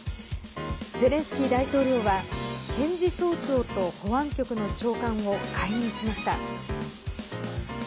ゼレンスキー大統領は検事総長と保安局の長官を解任しました。